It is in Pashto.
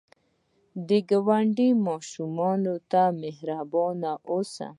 د ګاونډي ماشومانو ته مهربان اوسه